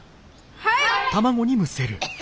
はい！